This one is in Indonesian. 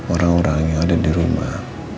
orang orang yang ada di rumah